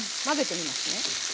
混ぜてみますね。